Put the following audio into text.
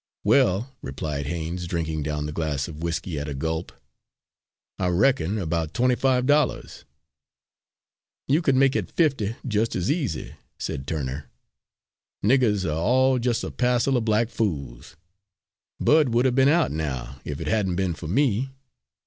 "Well," replied Haines, drinking down the glass of whiskey at a gulp, "I reckon about twenty five dollars." "You can make it fifty just as easy," said Turner. "Niggers are all just a passell o' black fools. Bud would 'a' b'en out now, if it hadn't be'n for me.